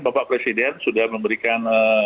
bapak presiden sudah memberikan